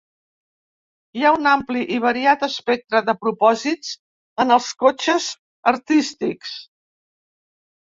Hi ha un ampli i variat espectre de propòsits en els cotxes artístics.